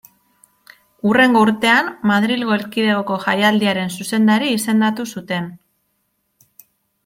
Hurrengo urtean Madrilgo Erkidegoko Jaialdiaren zuzendari izendatu zuten.